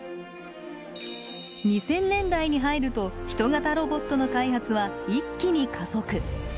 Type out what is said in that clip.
２０００年代に入ると人型ロボットの開発は一気に加速。